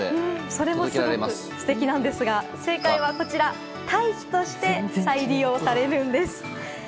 それもすごく素敵なんですが正解は、堆肥として再利用されるんです。